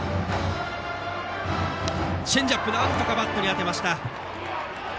チェンジアップをなんとかバットに当てました。